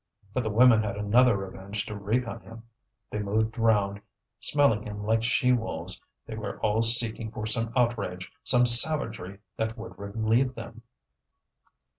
But the women had another revenge to wreak on him. They moved round, smelling him like she wolves. They were all seeking for some outrage, some savagery that would relieve them.